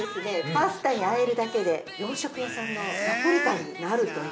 パスタにあえるだけで洋食屋さんのナポリタンになるという。